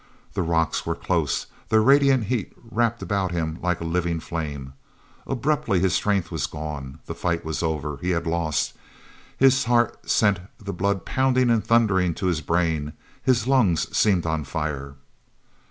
The rocks were close, their radiant heat wrapped about him like a living flame. Abruptly his strength was gone—the fight was over—he had lost! His heart sent the blood pounding and thundering to his brain; his lungs seemed on fire.